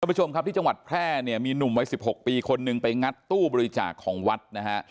ผู้ชมครับที่จังหวัดแพร่เนี่ยมีหนุ่มวัย๑๖ปีคนหนึ่งไปงัดตู้บริจาคของวัดนะฮะ